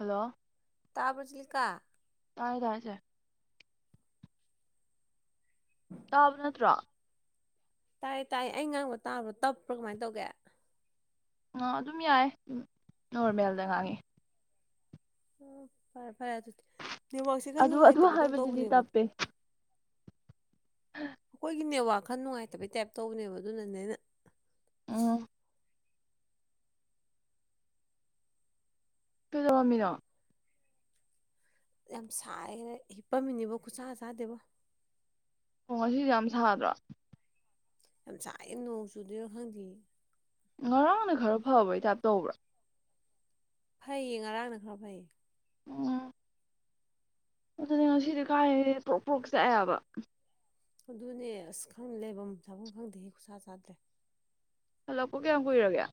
Hello ꯇꯥꯕ ꯆꯦꯂꯤꯀꯥ ꯇꯥꯏꯦ ꯇꯥꯏꯁꯦ ꯇꯥꯕ ꯅꯠꯇ꯭ꯔꯣ ꯇꯥꯏ ꯇꯥꯏ ꯑꯩ ꯉꯥꯡꯕ ꯇꯥꯕ꯭ꯔꯣ ꯇꯞꯄ꯭ꯔꯣ ꯀꯃꯥꯏꯅ ꯇꯧꯒꯦ ꯑꯥ ꯑꯗꯨꯝ ꯌꯥꯏ ꯅꯣꯔꯃꯦꯜꯗ ꯉꯥꯡꯉꯤ ꯑꯣ ꯐꯔꯦ ꯐꯔꯦ ꯑꯗꯨꯗꯤ ꯅꯦꯋꯥꯛꯁꯤ ꯈꯔ ꯑꯗꯨ ꯑꯗꯨ ꯅꯨꯡꯉꯥꯏꯇꯕ ꯗꯧꯅ ꯍꯥꯏꯕꯗꯨꯗꯤ ꯇꯧꯕꯅꯦꯕꯣ ꯇꯞꯄꯦ ꯀꯣꯏꯒꯤꯅꯤ ꯑ ꯋꯥ ꯋꯥꯈꯜ ꯅꯨꯡꯉꯥꯏꯇꯕꯩ ꯇꯥꯏꯞ ꯇꯧꯕꯅꯦꯕ ꯑꯗꯨꯅꯅꯦꯅ ꯎꯝ ꯀꯩꯗꯧꯔꯝꯃꯤꯅꯣ ꯌꯥꯝ ꯁꯥꯏ ꯍꯤꯞꯄꯝꯃꯤꯅꯤꯕ ꯈꯨꯠꯁꯥ ꯆꯥꯗꯦꯕꯣ ꯑꯣ ꯉꯁꯤꯁꯨꯦ ꯌꯥꯝ ꯁꯥꯗ꯭ꯔꯣ ꯌꯥꯝ ꯁꯥꯏꯦ ꯅꯣꯡ ꯆꯨꯗꯣꯏꯅ ꯈꯪꯗꯦ ꯉꯔꯥꯡꯅ ꯈꯔ ꯐꯕꯩ ꯇꯥꯏꯞ ꯇꯧꯕ꯭ꯔꯥ ꯐꯩꯌꯦ ꯉꯔꯥꯡꯅ ꯈꯔ ꯐꯩꯌꯦ ꯎꯝ ꯑꯗꯨꯅꯦ ꯉꯁꯤꯗꯤ ꯀꯥꯏꯗꯩ ꯄ꯭ꯔꯣꯛ ꯄ꯭ꯔꯣꯛ ꯆꯥꯛꯑꯦꯕ ꯑꯗꯨꯅꯦ ꯑꯁ ꯈꯪꯦ ꯂꯩꯐꯝ ꯆꯥꯐꯝ ꯈꯪꯗꯦ ꯍꯦꯛ ꯈꯨꯠꯁꯥ ꯆꯥꯗ꯭ꯔꯦ ꯍꯜꯂꯛꯄ ꯀꯌꯥꯝ ꯀꯨꯏꯔꯒꯦ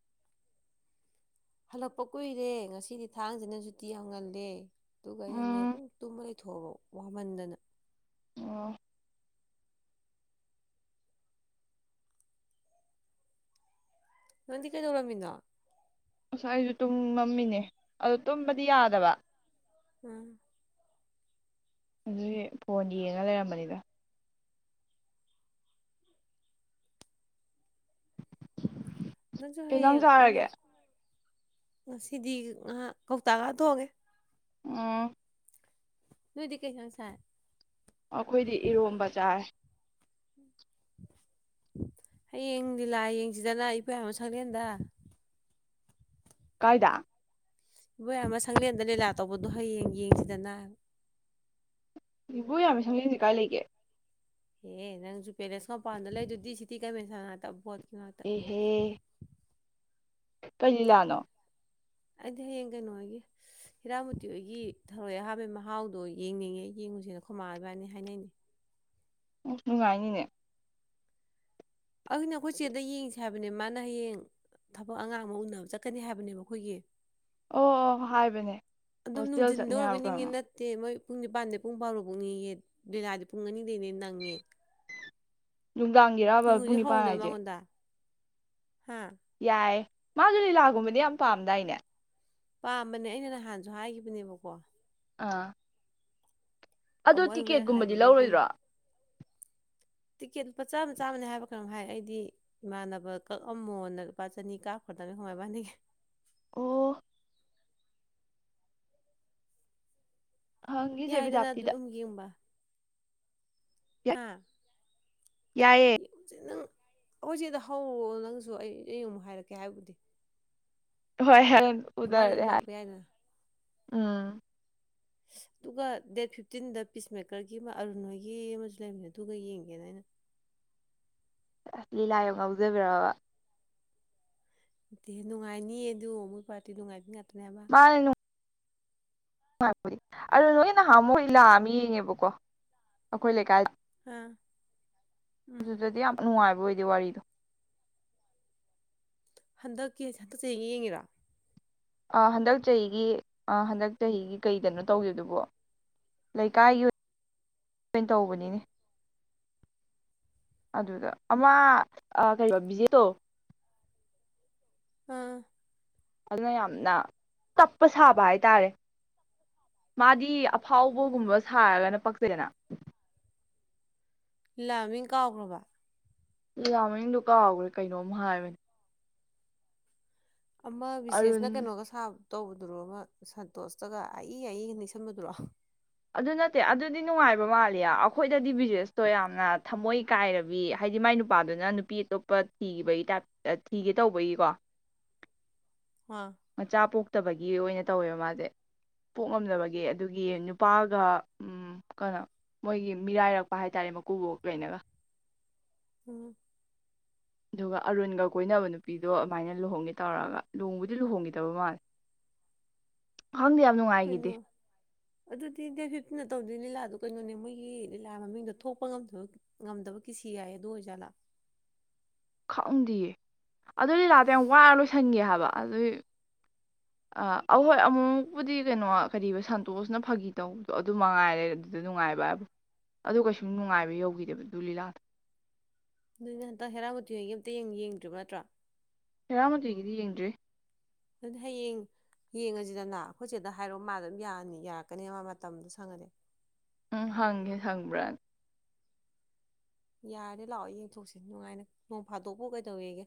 ꯍꯜꯂꯛꯄ ꯀꯨꯏꯔꯦ ꯉꯁꯤꯗꯤ ꯊꯥꯡꯁꯤꯅ ꯁꯨꯇꯤ ꯌꯥꯝ ꯉꯜꯂꯦ ꯇꯨ ꯀꯥꯏꯅꯤ ꯎꯝ ꯇ ꯄꯨꯊꯕ ꯋꯥꯃꯟꯗꯅ ꯑꯣ ꯅꯪꯗꯤ ꯀꯩꯗꯧ ꯔꯝꯃꯤꯅꯣ ꯑꯁ ꯑꯩꯁꯨ ꯇꯨꯝꯃꯝꯃꯤꯅꯦ ꯑꯗꯨ ꯇꯨꯝꯕꯗꯤ ꯌꯥꯗꯕ ꯎꯝ ꯑꯗꯨꯗꯤ ꯐꯣꯟ ꯌꯦꯡꯉ ꯂꯩꯔꯝꯕꯅꯤꯗ ꯅꯁꯨ ꯀꯩ ꯍꯌꯦ ꯏꯟꯖꯥꯡ ꯑꯣꯏ ꯆꯥꯔꯒꯦ ꯉꯁꯤꯗꯤ ꯉ ꯀꯧꯇꯥꯒ ꯇꯣꯡꯉꯦ ꯑ ꯅꯨꯗꯤ ꯀꯩꯁꯁꯥ ꯑꯩꯈꯣꯏꯗꯤ ꯏꯔꯣꯝꯕ ꯆꯥꯔꯦ ꯍꯌꯦꯡ ꯂꯤꯂꯥ ꯌꯦꯡꯁꯤꯗꯅ ꯏꯕꯣꯌꯥꯏꯃ ꯁꯪꯂꯦꯟꯗ ꯀꯥꯏꯗꯥ ꯏꯕꯣꯏꯌꯥꯝ ꯑꯃ ꯁꯪꯂꯦꯟꯗ ꯂꯤꯂꯥ ꯇꯧꯕꯗꯣ ꯍꯌꯦꯡ ꯌꯦꯡꯁꯤꯗꯅ ꯏꯕꯨ ꯌꯥꯝꯃꯤ ꯁꯪꯁ ꯀꯥꯏ ꯂꯩꯒꯦ ꯑꯦꯦ ꯅꯪꯁꯨꯨ ꯄꯦꯔꯦꯟꯁ ꯀ ꯄꯗꯣ ꯂꯩꯗꯨꯗꯤ ꯁꯤꯗꯤꯤ ꯀꯥꯏꯦꯟꯣ ꯑꯍꯦ ꯀꯩ ꯂꯤꯂꯥꯅꯣ? ꯑꯩꯗꯤ ꯍꯌꯦꯡ ꯀꯩꯅꯣ ꯍꯣꯏꯒꯤ ꯍꯤꯔꯥꯃꯨꯇꯤ ꯍꯣꯏꯒꯤ ꯊꯔꯣꯏ ꯑꯍꯥꯝꯕꯩ ꯃꯍꯥꯎꯗꯣ ꯌꯦꯡꯅꯤꯡꯉꯦ ꯌꯦꯡꯉꯨꯁꯤꯅ ꯈꯨꯃꯥꯡꯕꯥꯅꯤ ꯍꯥꯏꯅꯩꯅꯦ꯫ ꯑꯣ ꯅꯤ ꯉꯥꯏꯅꯤꯅꯦ꯫ ꯑꯗꯨꯅꯦ ꯑꯩꯈꯣꯏ ꯆꯦꯗ ꯌꯦꯡꯁꯦ ꯍꯥꯏꯕꯅꯦ ꯃꯥꯅ ꯍꯌꯦꯡ ꯊꯕꯛ ꯑꯉꯥꯡ ꯑꯃ ꯎꯅꯕ ꯆꯠꯀꯅꯤ ꯍꯥꯏꯕꯅꯦꯕ ꯑꯩꯈꯣꯏꯒꯤ ꯑꯣ ꯑꯣ ꯍꯥꯏꯕꯅꯦ - ꯑꯗꯨꯝ ꯍꯣꯁꯇꯦꯜ ꯅꯨꯡꯊꯤꯟꯗ ꯆꯠꯅꯤ ꯍꯥꯏꯔ ꯑꯣꯏꯕꯅꯤꯡꯉꯦ ꯀꯅꯣ ꯫ ꯅꯠꯇꯦ ꯃꯣꯏ ꯄꯨꯡ ꯅꯤꯄꯥꯟꯗꯩ ꯄꯨꯡ ꯐꯥꯎꯔꯣ ꯄꯨꯡꯅꯤ ꯍꯦ ꯂꯤꯂꯥꯗꯤ ꯄꯨꯡ ꯑꯅꯤꯗꯩꯅꯦ ꯅꯪꯉꯦ꯫ ꯅꯨꯡꯗꯥꯡꯒꯤꯔꯥꯕ ꯄꯨꯡ ꯌꯦꯡꯉꯨꯁꯦ ꯅꯤꯄꯥꯟ ꯍꯧꯗꯅ ꯍꯥꯏꯁꯦ? ꯃꯉꯣꯟꯗ ꯍꯥ ꯌꯥꯏ꯫ ꯃꯥꯒꯤ ꯂꯤꯂꯥꯒꯨꯝꯕꯗꯤ ꯌꯥꯝ ꯄꯥꯝꯗꯥꯏꯅꯦ? ꯄꯥꯝꯕꯅꯦ ꯑꯩꯅ ꯅꯍꯥꯟꯁꯨ ꯍꯥꯏꯈꯤꯕꯅꯦꯕꯀꯣ ꯑꯥ꯫ ꯑꯣ ꯑꯃꯨꯛ ꯑꯩ ꯍꯣꯔꯦꯟ ꯇꯤꯛꯀꯦꯠꯀꯨꯝꯕꯗꯤ ꯍꯥꯏꯒꯦꯕ ꯄꯨꯡ ꯂꯧꯔꯣꯏꯗ꯭ꯔꯣ? ꯇꯤꯛꯀꯦꯠ ꯂꯨꯄꯥ ꯆꯥꯝꯃ ꯆꯥꯝꯃꯅꯦ ꯍꯥꯏꯕ ꯈꯔꯪ ꯍꯥꯏ ꯑꯩꯗꯤ ꯏꯃꯥꯟꯅꯕ ꯀꯛꯑꯝꯃꯣꯅ ꯂꯨꯄꯥ ꯆꯅꯤ ꯀꯥꯞꯈ꯭ꯔꯗꯕꯅ ꯈꯉꯥꯏ ꯃꯅꯤꯒꯤ ꯫ ꯑꯣ ꯍꯪꯒꯤꯁꯦ ꯌꯥꯏꯗꯅ ꯑꯗꯨ ꯕꯤꯗꯥꯞꯇꯤꯗ ꯌꯨꯝꯒꯤ ꯌꯨꯝꯕ꯫ ꯍꯥꯥ ꯌꯥꯌꯦ ꯑꯈꯣꯏ ꯆꯦꯐꯣ ꯍꯧꯔꯑꯣ ꯅꯪꯁꯨ ꯑꯩ ꯑꯩ ꯑꯃꯨꯛ ꯍꯥꯏꯔꯛꯀꯦ ꯍꯥꯏꯕꯨꯗꯤ ꯇꯥ꯫ ꯍꯣꯏ ꯍ ꯎꯗꯔꯦ ꯍꯥꯏ ꯂꯥꯛꯄ ꯌꯥꯏꯗꯅ ꯫ ꯎꯝ ꯎꯃꯝ ꯑꯗꯨꯒ ꯗꯦꯠ ꯐꯤꯞꯇꯤꯟꯗ ꯄꯤꯁꯃꯦꯀꯔꯒꯤ ꯑꯃ ꯑꯔꯨꯟꯍꯣꯏꯒꯤ ꯑꯃꯁꯨ ꯂꯩꯕꯅꯦ ꯑꯗꯨꯒ ꯌꯦꯡꯒꯦꯅ ꯑꯩꯅ ꯑꯁ ꯂꯤꯂꯥ ꯌꯥꯝ ꯉꯥꯎꯖꯕꯤꯔꯕ? ꯏ ꯅꯨꯡꯉꯥꯏꯅꯤꯌꯦ ꯑꯗꯨ ꯃꯣꯏ ꯄꯥꯔꯇꯤ ꯅꯨꯡꯉꯥꯏꯅꯤ ꯉ ꯃꯥꯅꯦ ꯅꯨ ꯍꯥꯏꯕꯗꯤ ꯑꯗꯣ ꯅꯣꯏ ꯅꯍꯥꯟꯃꯨ ꯂꯤꯂꯥ ꯑꯃ ꯌꯦꯡꯉꯦꯕꯀꯣ ꯑꯩꯈꯣꯏ ꯂꯩꯀꯥꯏ ꯑꯥ ꯎꯝ ꯑꯗꯨꯗꯤꯌꯥꯝ ꯅꯉꯥꯏꯕꯨ ꯑꯣꯏꯗꯦ꯫ ꯋ꯭ꯔꯤꯗꯣ ꯍꯟꯗꯛꯀꯤ ꯍꯟꯇꯛ ꯆꯍꯤ ꯌꯦꯡꯉꯤꯔꯥ? ꯑ ꯍꯟꯗꯛ ꯆꯍꯤꯒꯤ ꯑ ꯍꯟꯗꯛ ꯆꯍꯤꯒꯤ ꯀꯩꯗꯅꯣ ꯇꯧꯒꯦꯗꯨꯕꯣ ꯂꯩꯀꯥꯏꯒꯤ ꯑꯣꯏꯅ ꯇꯧꯕꯅꯤꯅꯦ ꯑꯗꯨꯗ ꯑꯃ ꯑꯥ ꯀꯩ [unintelligible] ꯎꯝ꯫ ꯑꯗꯨꯅ ꯌꯥꯝꯅ ꯇꯞꯄ ꯁꯥꯕ ꯍꯥꯏꯇꯥꯔꯦ ꯃꯥꯗꯤ ꯑꯣ ꯐꯥꯎꯕꯒꯨꯝꯕ ꯁꯥꯔꯒꯅ ꯄꯛ ꯗꯅ ꯂꯤ ꯂꯥ ꯃꯥꯃꯤꯡ ꯀꯥꯎꯈ꯭ꯔꯕ? ꯌꯥꯝ ꯃꯅꯤꯡꯡꯗꯣ ꯀꯥꯎꯈ꯭ꯔꯦ ꯀꯩꯅꯣꯝ ꯍꯥꯏꯕꯅꯦ꯫ ꯑꯃ ꯕꯤꯁꯦꯁꯅ ꯑꯔꯨꯟ ꯀꯩꯅꯣꯒ ꯁꯥꯕ ꯇꯧꯕꯗꯨꯔꯣ ꯑꯃ ꯁꯟꯇꯣꯁꯇꯒ ꯑꯏ ꯑꯏꯒ ꯅꯤꯡꯁꯕꯗꯨꯔꯣ꯫ ꯑꯗꯨ ꯅꯠꯇꯦ ꯑꯗꯨꯗꯤ ꯅꯨꯡꯉꯥꯏꯕ ꯃꯥꯂꯦ ꯑꯩꯈꯣꯏꯗꯗꯤ ꯕꯤꯖꯤꯅꯦꯁꯇꯣ ꯌꯥꯝꯅ ꯊꯃꯣꯏ ꯀꯥꯏꯔꯕꯤ ꯍꯥꯏꯗꯤ ꯃꯥꯏ ꯅꯨꯄꯥꯗꯨꯅ ꯅꯨꯄꯤ ꯑꯇꯣꯞꯄ ꯊꯤꯈꯤꯕꯒꯤ ꯇꯥꯏꯞ ꯊꯤꯒꯦ ꯇꯧꯕꯒꯤꯀꯣ ꯑ ꯃꯆꯥ ꯄꯣꯛꯇꯕ ꯒꯤ ꯑꯣꯏꯅ ꯇꯧꯋꯦꯕ ꯃꯥꯁꯦ ꯄꯣꯛ ꯉꯝꯗꯕꯒꯤ ꯑꯗꯨꯒꯤ ꯅꯨꯄꯥꯒ ꯎꯝ ꯀꯩꯅꯣ ꯃꯣꯏꯒꯤ ꯃꯤꯔꯥꯏꯔꯛꯄ ꯍꯥꯏꯇꯥꯔꯦ ꯃꯀꯨꯕꯣꯛ ꯀꯩꯅꯒ ꯎꯝ ꯑꯗꯨꯒ ꯑꯔꯨꯟꯒ ꯀꯣꯏꯅꯕ ꯅꯨꯄꯤꯗꯣ ꯑꯗꯨꯃꯥꯏꯅ ꯂꯨꯍꯣꯡꯒꯦ ꯇꯧꯔꯒ ꯂꯨꯍꯣꯡꯕꯨꯗꯤ ꯂꯨꯍꯣꯡꯈꯤꯗꯕ ꯃꯥꯜꯂꯦ ꯈꯪꯗꯦ ꯌꯥꯝ ꯅꯨꯡꯉꯥꯏꯈꯤꯗꯦ ꯀꯩꯅꯣ ꯑꯗꯨꯗꯤ ꯗꯦꯠ ꯐꯤꯠ ꯇꯧꯗꯣꯏ ꯂꯤꯂꯥꯗꯣ ꯀꯩꯅꯣꯅꯦ ꯃꯣꯏꯒꯤ ꯂꯤꯂꯥ ꯃꯃꯤꯡꯗꯣ ꯊꯣꯛꯄ ꯉꯝꯗꯕ ꯉꯝꯗꯕ ꯀꯤꯁꯤ ꯍꯥꯏ ꯑꯗꯨ ꯑꯣꯏꯖꯥꯠꯂꯥ ꯈꯪꯗꯤꯌꯦ ꯑꯗꯨ ꯂꯤꯂꯥꯗꯣ ꯌꯥꯝ ꯋꯥꯔ ꯂꯣꯏꯁꯟꯒꯤ ꯍꯥꯏꯕ ꯑꯗꯨꯏ ꯑꯍꯣꯏ ꯑꯃꯨꯛꯃꯨꯛꯄꯨꯗꯤ ꯀꯩꯅꯣ ꯀꯔꯤꯕ ꯁꯟꯇꯣꯁꯅ ꯐꯥꯒꯤ ꯇꯧꯕꯗꯣ ꯑꯗꯨ ꯃꯉꯥꯏꯔꯦ ꯑꯗꯨꯗ ꯅꯨꯡꯉꯥꯏꯕ ꯍꯥꯏꯕ ꯑꯗꯨ ꯀꯩꯁꯨꯝ ꯅꯨꯡꯉꯥꯏꯕ ꯌꯧꯈꯤꯗꯦꯕ ꯑꯗꯨ ꯂꯤꯂꯥꯗꯣ ꯅꯣꯏꯅ ꯍꯟꯗꯛ ꯍꯦꯔꯥꯕꯨꯇꯤꯉꯒꯤ ꯑꯃꯝꯇ ꯌꯦꯡ ꯌꯦꯡꯗ꯭ꯔꯤꯕ ꯅꯠꯇ꯭ꯔꯣ ꯍꯦꯔꯥ ꯃꯣꯇꯤꯒꯤꯗꯤ ꯌꯦꯡꯗ꯭ꯔꯤ ꯑꯗꯨ ꯍꯌꯦꯡ ꯌꯦꯡꯉꯁꯤꯗꯅ ꯑꯩꯈꯣꯏ ꯆꯦꯗ ꯍꯥꯏꯔꯣ ꯃꯥꯗ ꯑꯗꯨꯝ ꯌꯥꯅꯤ ꯌꯥꯔꯛꯀꯅꯦꯕ ꯃꯇꯝꯗꯣ ꯁꯪꯉꯗꯤ ꯎꯝ ꯍꯪꯒꯦ ꯁꯪꯕ꯭ꯔꯥꯅ ꯌꯥꯔꯦ ꯂꯥꯛꯑꯣ ꯌꯦꯡꯊꯣꯛꯁꯤ ꯅꯨꯡꯉꯥꯏꯅ ꯅꯣꯡ ꯐꯥꯗꯣꯛꯄꯨ ꯀꯩꯗꯧꯋꯦꯒꯦ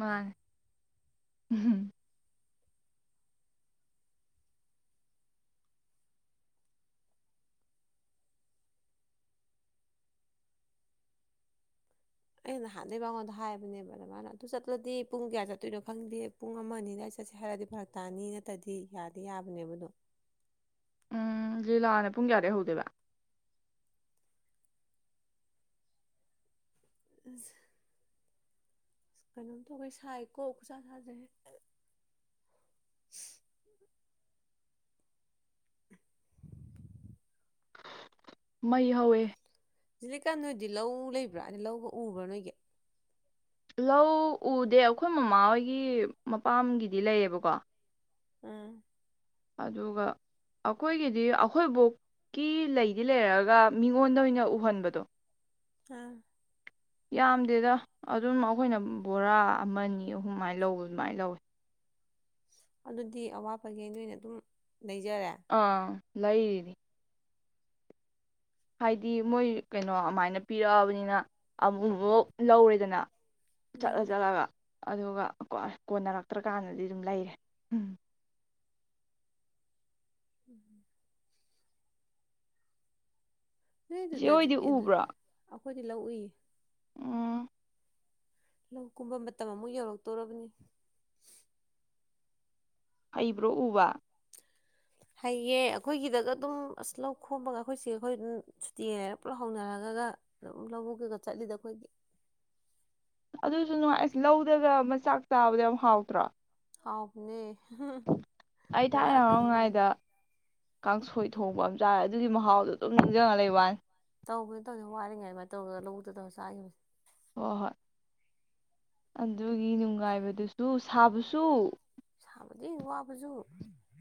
ꯃꯥꯅꯤ ꯑꯩ ꯅꯍꯥꯟꯗꯩ ꯃꯉꯣꯟꯗ ꯍꯥꯏꯕꯅꯦꯕ ꯑꯗꯨꯃꯥꯏꯅ ꯑꯗꯨ ꯆꯠꯂꯗꯤ ꯄꯨꯡ ꯀꯌꯥ ꯆꯠꯇꯣꯏꯅꯣ ꯈꯪꯗꯦ ꯄꯨꯡ ꯑꯃ ꯑꯅꯤꯗ ꯑꯩ ꯆꯠꯁꯦ ꯍꯥꯏꯔꯗꯤ ꯐꯔꯛ ꯇꯥꯅꯤ ꯅꯠꯇ꯭ꯔꯗꯤ ꯌꯥꯗꯤ ꯌꯥꯕꯅꯦꯕꯗꯣ ꯎꯝ ꯂꯤꯂꯥꯅ ꯄꯨꯡ ꯀꯌꯥꯗꯩ ꯍꯧꯗꯣꯏꯕ ꯀꯩꯅꯣꯝ ꯇꯧꯒꯩ ꯁꯥꯏꯀꯣ ꯈꯨꯠꯁꯥ ꯁꯥꯖꯦ [unintelligible] ꯃꯩ ꯍꯧꯋꯦ ꯖꯤꯂꯤꯀꯥ ꯅꯣꯏꯗꯤ ꯂꯧ ꯂꯩꯕ꯭ꯔꯥ ꯂꯧꯒ ꯎꯕ꯭ꯔꯥ ꯅꯣꯏꯒꯤ ꯂꯧ ꯎꯗꯦ ꯑꯩꯈꯣꯏ ꯃꯃꯥ ꯍꯣꯏꯒꯤ ꯃꯄꯥꯝꯒꯤꯗꯤ ꯂꯩꯌꯦꯕꯀꯣ ꯎꯝ ꯑꯗꯨꯒ ꯑꯩꯈꯣꯏꯒꯤꯗꯤ ꯑꯩꯈꯣꯏꯕꯣꯛꯀꯤ ꯂꯩꯗꯤ ꯂꯩꯔꯒ ꯃꯤꯉꯣꯟꯗ ꯑꯣꯏꯅ ꯎꯍꯟꯕꯗꯣ ꯑ ꯌꯥꯝꯗꯦꯗ ꯑꯗꯨꯝ ꯑꯩꯈꯣꯏꯅ ꯕꯣꯔꯥ ꯑꯃꯅꯤ ꯑꯍꯨꯝꯃꯥꯏꯅ ꯂꯧꯕ ꯑꯗꯨꯃꯥꯏꯅ ꯂꯧꯋꯦ ꯑꯗꯨꯗꯤ ꯑꯋꯥꯠꯄꯒꯩ ꯅꯣꯏꯅ ꯑꯗꯨꯝ ꯂꯩꯖꯔꯦ ꯑꯥ ꯂꯩꯔꯤꯅꯤ ꯍꯥꯏꯗꯤ ꯃꯣꯏ ꯀꯩꯅꯣ ꯑꯗꯨꯃꯥꯏꯅ ꯄꯤꯔꯛꯑꯕꯅꯤꯅ ꯑꯃꯨꯛꯃꯨꯛ ꯂꯧꯔꯦꯗꯅ ꯆꯠꯂ ꯎꯝ ꯆꯠꯂꯒ ꯑꯗꯨꯒ ꯀꯣ ꯀꯣꯟꯅꯔꯛꯇ꯭ꯔꯀꯥꯟꯗꯗꯤ ꯑꯗꯨꯝ ꯂꯩꯔꯦ ꯎꯝ [unintelligible] ꯅꯣꯏ ꯆꯤꯆꯦ ꯑꯗꯨꯗ ꯑꯣꯏꯗꯤ ꯖꯤꯄꯤ ꯑꯗꯨ ꯎꯕ꯭ꯔꯣ ꯑꯩꯈꯣꯏꯗꯤ ꯂꯧ ꯎꯌꯦ ꯎꯝ ꯂꯧ ꯀꯨꯝꯕ ꯃꯇꯝ ꯑꯃꯨꯛ ꯌꯧꯔꯛꯇꯧꯔꯕꯅꯤ ꯍꯩꯕ꯭ꯔꯣ ꯎꯕ ꯍꯩꯌꯦ ꯑꯩꯈꯣꯏꯒꯤꯗꯒ ꯑꯗꯨꯝ ꯑꯁ ꯂꯧ ꯈꯣꯝꯕꯒ ꯑꯩꯈꯣꯏ ꯆꯦꯈꯣꯏ ꯑꯗꯨꯝ ꯁꯨꯇꯤ ꯂꯩꯔ ꯄꯨꯂꯞ ꯍꯧꯅꯔꯒꯒ ꯑꯗꯨꯝ ꯂꯧꯕꯨꯛꯇꯒ ꯆꯠꯂꯤꯗ ꯑꯩꯈꯣꯏꯒꯤ ꯑꯗꯨꯁꯨ ꯅꯨꯡꯉꯥꯏ ꯑꯁ ꯂꯧꯗꯒ ꯃꯆꯥꯛ ꯆꯥꯕꯗꯣ ꯌꯥꯝ ꯍꯥꯎꯇ꯭ꯔꯣ ꯍꯥꯎꯕꯅꯦ ꯑꯩ ꯊꯥꯏꯅ ꯋꯥꯔꯀꯥꯟꯗ ꯇꯧꯕꯗꯣ ꯑꯉꯥꯡꯑꯣꯏꯔꯤꯀꯥꯟꯗ ꯀꯥꯡꯁꯣꯏ ꯊꯣꯡꯕ ꯑꯃ ꯆꯥꯔꯦ ꯑꯗꯨꯒꯤ ꯃꯍꯥꯎꯗꯣ ꯑꯗꯨꯝ ꯅꯤꯡꯁꯤꯡꯉ ꯂꯩꯕ ꯋꯥꯅꯤ ꯇꯧꯕꯅꯤ ꯇꯧꯅꯤꯅ ꯋꯥꯔꯤꯉꯥꯏ ꯋꯥꯔꯤꯉꯩ ꯃꯅꯨꯡꯗ ꯂꯧꯕꯨꯛꯇ ꯇꯧꯔꯒ ꯆꯥꯈꯤꯕꯁꯤ ꯍꯣ ꯍꯣꯏ ꯑꯗꯨꯒꯤ ꯅꯨꯡꯉꯥꯏꯕꯗꯨꯁꯨ ꯁꯥꯕꯁꯨ ꯑꯗꯨꯗꯤ ꯋꯥꯕꯁꯨ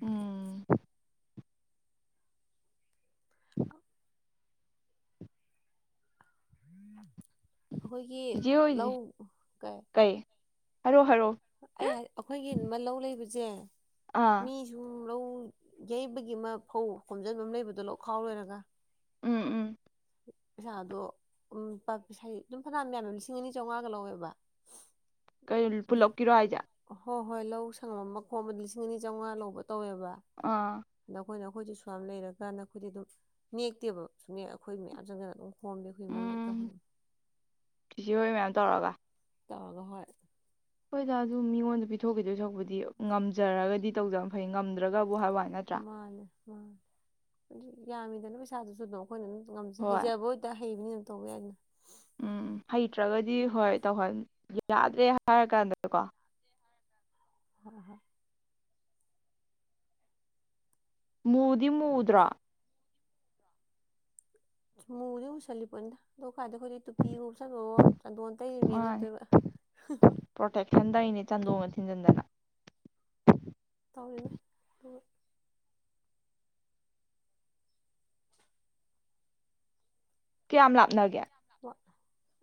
ꯎꯝ [inaudible] ꯑꯩꯈꯣꯏꯒꯤ ꯏꯆꯦ ꯂꯧ ꯀꯩ ꯍꯥꯏꯔꯣ ꯑꯩ ꯍꯣꯏꯖꯦ ꯑꯩꯈꯣꯏꯒꯤ ꯂꯧ ꯂꯩꯕꯁꯤ ꯏꯆꯦ ꯑꯥ ꯃꯤꯖꯨ ꯂꯧ ꯌꯩꯕꯒꯤ ꯑꯃ ꯐꯧ ꯈꯣꯝꯖꯤꯟꯕ ꯑꯃ ꯂꯩꯕꯗꯣ ꯂꯧ ꯈꯥꯎ ꯂꯣꯏꯔꯒ ꯎꯝ ꯎꯝ ꯄꯩꯁꯥꯗꯣ ꯁꯥ ꯑꯗꯨꯝ ꯐꯅꯌꯥꯝ ꯃꯅ ꯂꯤꯁꯤꯡ ꯑꯅꯤ ꯆꯧꯃꯉꯥꯒ ꯂꯧꯋꯦꯕ ꯀꯩꯅꯣ ꯄꯨꯜꯂꯛꯀꯤꯔꯣ ꯍꯥꯏꯖꯦ ꯍꯣ ꯍꯣꯏ ꯂꯧ ꯁꯪꯉꯝ ꯑꯃ ꯈꯣꯝꯕꯗ ꯂꯤꯁꯤꯡ ꯑꯅꯤ ꯆꯧꯉꯥ ꯂꯧꯕꯅꯤ ꯂꯧꯋꯦꯕ ꯑꯥ ꯑꯩꯈꯣꯏꯅ ꯑꯩꯈꯣꯏꯁꯨ ꯑꯁꯨꯛꯌꯥꯝ ꯂꯩꯔꯀꯥꯟꯗ ꯑꯩꯈꯣꯏꯗꯤ ꯑꯗꯨꯝ ꯅꯦꯛꯇꯦꯕ ꯁꯨꯝ ꯑꯩꯈꯣꯏ ꯃꯌꯥꯝ ꯁꯤꯡꯅ ꯑꯗꯨꯝ ꯎꯝ [unintelligible] ꯆꯤꯆꯦ ꯍꯣꯏ ꯃꯌꯥꯝ ꯇꯧꯔꯒ ꯇꯧꯔꯒ ꯍꯣꯏ ꯍꯣꯏꯗ ꯑꯗꯨ ꯃꯤꯉꯣꯟꯗ ꯄꯤꯊꯣꯛꯈꯤꯗꯣꯏ ꯁꯔꯨꯛꯄꯨꯗꯤ ꯉꯝꯖꯔꯒꯗꯤ ꯇꯧꯗꯝ ꯐꯩ ꯉꯝꯗ꯭ꯔꯒ ꯍꯥꯏꯕꯩ ꯋꯥꯅꯤ ꯅꯠꯇ꯭ꯔꯥ ꯃꯥꯅꯦ ꯌꯥꯝꯃꯤꯗꯅ ꯄꯩꯁꯥꯗꯨꯁꯨ ꯑꯗꯨꯝ ꯑꯩꯈꯣꯏꯅ ꯑꯗꯨꯝ ꯉꯝ ꯍꯣꯏ ꯍꯩꯖꯕ ꯑꯣꯏ ꯇꯥꯔꯗꯤ ꯍꯩꯕꯅꯤ ꯑꯗꯨꯝ ꯇꯧꯕ ꯌꯥꯏꯅ ꯎꯝ ꯍꯩꯇ꯭ꯔꯒꯗꯤ ꯍꯣꯏ ꯇꯧꯍꯟ ꯌꯥꯗ꯭ꯔꯦ ꯍꯥꯏꯔ ꯀꯥꯟꯗꯀꯣ ꯍꯣꯏ ꯍꯣꯏ ꯃꯨꯗꯤ ꯃꯨꯗ꯭ꯔꯣ ꯃꯨꯗꯤ ꯃꯨꯁꯜꯂꯤ ꯄꯣꯠꯅꯤꯗ ꯈ꯭ꯋꯥꯏꯗ ꯑꯩꯈꯣꯏꯗꯤ ꯇꯨꯄꯤꯒ ꯎꯞꯁꯟꯕꯋꯣ ꯆꯟꯗꯣꯟ ꯇꯩꯔꯤꯃꯦꯅ ꯃꯥꯅꯦ ꯑꯃꯨꯛꯇꯣꯏꯕ ꯄ꯭ꯔꯣꯇꯦꯛꯁꯟ ꯇꯧꯔꯤꯅꯦ [unintelligible] ꯇꯧꯔꯤꯅꯦ ꯀꯌꯥꯝ ꯂꯥꯞꯅꯒꯦ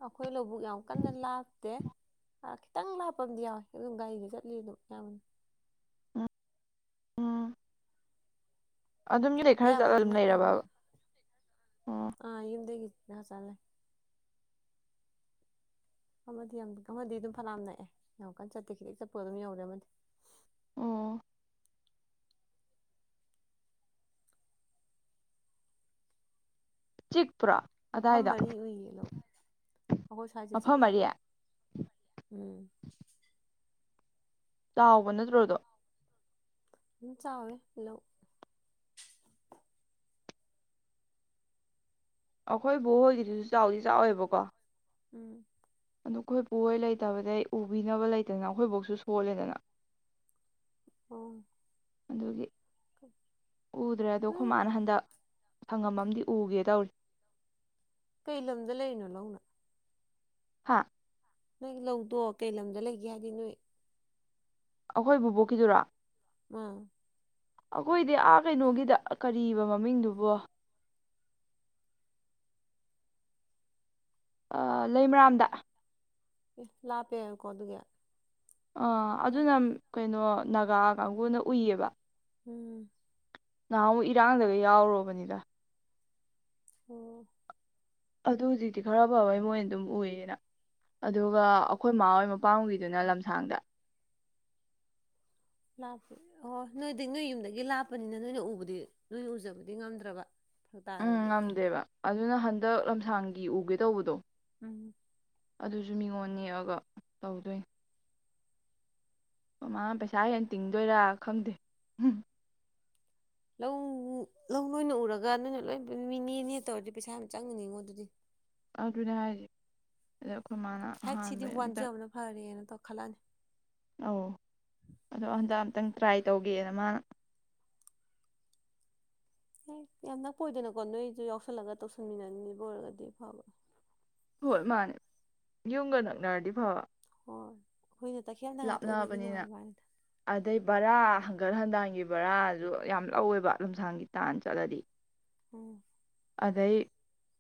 ꯑꯩꯈꯣꯏ ꯂꯧꯕꯨꯛ ꯌꯥꯝ ꯀꯟꯅ ꯂꯥꯞꯇꯦ ꯈꯤꯇꯪ ꯂꯥꯞꯄ ꯑꯃꯗꯤ ꯌꯥꯎꯋꯦ ꯑꯗꯨꯝ ꯒꯥꯔꯤꯗꯤ ꯆꯠꯂꯤ ꯑꯗꯨꯝ ꯑꯌꯥꯝꯕꯅ ꯎꯝ ꯑꯗꯨꯝ ꯌꯨꯝꯗꯩ ꯈꯔ ꯆꯠꯂ ꯑꯌꯥꯝꯕꯅ ꯑꯗꯨꯝ ꯅꯛꯑꯦꯕꯨ ꯂꯩꯔꯕ ꯏꯗꯣꯝꯆꯥ ꯂꯩ ꯑꯃꯗꯤ ꯌꯥꯝ ꯑꯃꯗꯤ ꯑꯗꯨꯝ ꯐꯅꯥꯝ ꯅꯛꯑꯦ ꯌꯥꯝ ꯀꯟ ꯆꯠꯇꯦ ꯈꯤꯇꯛ ꯆꯠꯄ ꯑꯗꯨꯝ ꯌꯧꯔꯦ ꯑꯃꯗꯤ ꯑꯣ ꯆꯤꯛ ꯃꯐꯝ ꯃꯔꯤ ꯎꯏꯌꯦ ꯂꯧ ꯑꯩꯈꯣꯏ ꯁ꯭ꯋꯥꯏꯁꯦ ꯃꯐꯝ ꯆꯤꯛꯑꯦ ꯑꯔꯤ ꯎꯝ ꯆꯥꯎꯕ ꯅꯠꯇ꯭ꯔꯣꯗꯣ ꯑꯗꯨꯝ ꯆꯥꯎꯌꯦ ꯑꯗꯨꯝ ꯑꯩꯈꯣꯏ ꯕꯣꯛ ꯍꯣꯏꯒꯤꯗꯨꯁꯨ ꯆꯥꯎꯗꯤ ꯆꯥꯎꯋꯦꯕꯀꯣ ꯎꯝ ꯑꯗꯨ ꯈꯣꯏ ꯄꯨꯍꯣꯏ ꯂꯩꯇꯕꯗꯩ ꯎꯕꯤꯅꯕ ꯂꯩꯇꯗꯅ ꯑꯩꯈꯣꯏ ꯕꯣꯛꯁꯨ ꯁꯣꯜꯂꯦꯗꯅ ꯑꯣ ꯑꯗꯨꯒꯤ ꯎꯗ꯭ꯔꯦꯗꯣ ꯈꯣꯏ ꯅꯣꯏ ꯃꯥꯅ ꯍꯟꯗꯛ ꯁꯪꯉꯝ ꯑ ꯑꯃꯗꯤ ꯎꯒꯦ ꯇꯧꯔꯤ ꯀꯩ ꯂꯝꯗ ꯂꯩꯔꯤꯅꯣ ꯅꯪꯅ ꯍꯥ ꯅꯣꯏ ꯂꯧꯗꯣ ꯀꯩ ꯂꯝꯗ ꯂꯩꯒꯦ ꯍꯥꯏꯗꯤ ꯅꯣꯏ ꯑꯩꯈꯣꯏ ꯕꯨꯕꯣꯛꯀꯤꯗꯨꯔꯥ ꯎꯝ ꯑꯩꯈꯣꯏꯗꯤ ꯑꯥ ꯀꯩꯅꯣꯒꯤꯗ ꯀꯔꯤꯕ ꯃꯃꯤꯡꯗꯨꯕꯣ ꯂꯩꯃꯔꯥꯝꯗ ꯑꯦ ꯂꯥꯞꯄꯦꯅꯀꯣ ꯑꯗꯨꯒꯤ ꯑ ꯂꯥꯞ ꯑꯗꯨꯅ ꯀꯩꯅꯣ ꯅꯥꯒꯥ ꯀꯥꯡꯕꯨꯅ ꯎꯏꯌꯦꯕ ꯎꯝ ꯅꯍꯥꯟꯨꯛ ꯏꯔꯥꯡꯗꯒ ꯌꯥꯎꯔꯨꯕꯅꯤꯗ ꯑꯣ ꯑꯗꯨ ꯍꯧꯖꯤꯛꯇꯤ ꯈꯔ ꯐꯕꯩ ꯃꯣꯏꯅ ꯑꯗꯨꯝ ꯎꯏꯌꯦꯅ ꯑꯗꯨꯒ ꯑꯩꯈꯣꯏꯃꯥ ꯍꯣꯏ ꯃꯄꯥꯝꯒꯤꯗꯨꯅ ꯂꯝꯁꯥꯡꯗ ꯑꯣ ꯅꯣꯏꯗꯤ ꯅꯣꯏ ꯌꯨꯝꯗꯒꯤ ꯂꯥꯞꯄꯅꯤꯅ ꯅꯣꯏꯅ ꯎꯕꯗꯤ ꯅꯣꯏ ꯎꯖꯕꯗꯤ ꯉꯝꯗ꯭ꯔꯕ ꯐꯔꯛ ꯎꯝ ꯇꯥꯔꯗꯤ ꯉꯝꯗꯦꯕ ꯑꯗꯨꯅ ꯍ ꯍꯟꯗꯛ ꯂꯝꯁꯥꯡꯒꯤ ꯎꯒꯦ ꯇꯧꯕꯗꯣ ꯎꯝ ꯑꯗꯨꯁꯨ ꯃꯤꯉꯣꯟ ꯅꯦꯛꯑꯒ ꯇꯧꯗꯣꯏꯅꯤ ꯃꯃꯥ ꯄꯩꯁꯥ ꯍꯦꯟꯅ ꯇꯤꯡꯗꯣꯏꯔꯥ ꯈꯪꯗꯦ ꯂꯧ ꯂꯧ ꯅꯣꯏꯅ ꯎꯔꯒ ꯅꯣꯏꯅ ꯂꯣꯏ ꯃꯤꯅꯦꯅꯦ ꯇꯧꯔꯗꯤ ꯄꯩꯁꯥ ꯌꯥꯝ ꯆꯪꯉꯅꯤꯉꯣ ꯑꯗꯨꯗꯤ ꯑ ꯑꯗꯨꯅ ꯍꯥꯏꯁꯦ ꯃꯥꯅ ꯍꯠ ꯁꯤꯗꯤ ꯑꯍꯥꯟꯕꯩ ꯑꯝꯇꯪ ꯋꯥꯟꯖꯕꯅ ꯐꯔꯦꯅ ꯈꯜꯂꯅꯤ ꯑꯧ ꯑꯗꯣ ꯍꯟꯗꯛ ꯑꯝꯇꯪ ꯇ꯭ꯔꯥꯏ ꯇꯧꯒꯦꯅ ꯃꯥꯅ ꯍ ꯌꯥꯝ ꯅꯛꯄ ꯑꯣꯏꯗꯅꯀꯣ ꯅꯣꯏꯁꯨ ꯌꯥꯎꯁꯜꯂꯒ ꯇꯧꯁꯟꯃꯤꯟꯅꯕ ꯑꯣꯏꯔꯒꯗꯤ ꯐꯕ ꯍꯣꯏ ꯃꯥꯅꯦ ꯌꯨꯝꯒ ꯅꯛꯅꯔꯗꯤ ꯐꯕ ꯍꯣꯏ ꯑꯩꯈꯣꯏꯅ ꯇꯈꯦꯜ ꯅꯒꯥꯇ ꯑꯣꯏꯕꯒꯤ ꯂꯥꯞꯅꯕꯅꯤꯅ ꯅꯨꯡꯉꯥꯏꯕ ꯋꯥꯅꯤꯗ ꯑꯗꯩ ꯕꯔꯥ ꯒꯟꯒꯠ ꯍꯟꯗꯥꯡꯒꯤ ꯕꯔꯥꯁꯨ ꯌꯥꯝ ꯂꯧꯋꯦꯕ ꯂꯝꯁꯥꯡꯒꯤ ꯇꯥꯟꯅ ꯆꯠꯂꯗꯤ ꯎꯝ ꯑꯗꯩ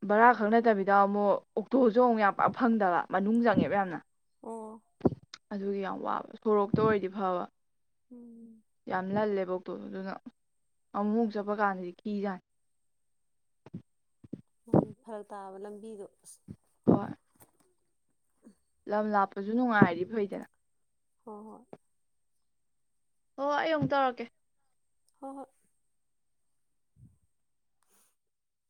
ꯕꯔꯥ ꯈꯛ ꯅꯠꯇꯕꯤꯗ ꯑꯃꯨꯛ ꯑꯣꯛꯇꯣꯁꯨ ꯑꯃꯨꯛ ꯌꯥꯝ ꯄꯥꯛ ꯐꯪꯗꯕ ꯃꯅꯨꯡ ꯆꯪꯉꯦꯕ ꯌꯥꯝꯅ ꯑꯣ ꯑꯗꯨꯒꯤ ꯌꯥꯝ ꯋꯥꯕ ꯁꯣꯔꯣꯛꯇ ꯑꯣꯏꯔꯗꯤ ꯐꯕ ꯎꯝ ꯌꯥꯝ ꯉꯜꯂꯦ ꯊꯕꯛꯇꯣ ꯑꯗꯨꯅ ꯑꯃꯨꯛꯃꯨꯛ ꯆꯠꯄ ꯀꯥꯟꯗꯗꯤ ꯈꯤꯖꯥꯅꯤ ꯎꯝ ꯐꯔꯛ ꯇꯥꯕ ꯂꯝꯕꯤꯗꯣ ꯑꯁ ꯍꯣꯏ ꯂꯝ ꯂꯥꯞꯄꯁꯨ ꯅꯨꯡꯉꯥꯏꯔꯤ ꯐꯩꯗꯅ ꯍꯣꯏ ꯍꯣꯏ ꯍꯣꯏ ꯑꯩ ꯑꯃꯨꯛ ꯇꯧꯔꯛꯀꯦ ꯍꯣꯏ ꯍꯣꯏ